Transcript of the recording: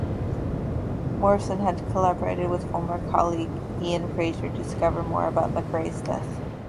Morrison had collaborated with former colleague Iain Fraser to discover more about MacRae's death.